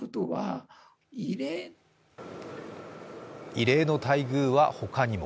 異例の待遇は他にも